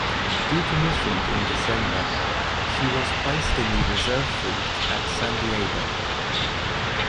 Decommissioned in December, she was placed in the Reserve Fleet at San Diego.